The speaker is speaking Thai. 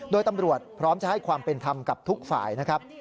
โดยตำรวจพร้อมจะให้ความเป็นธรรมกับทุกฝ่ายนะครับ